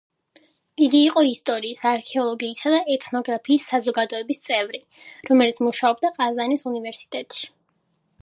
იგი იყო ისტორიის, არქეოლოგიისა და ეთნოგრაფიის საზოგადოების წევრი, რომელიც მუშაობდა ყაზანის უნივერსიტეტში.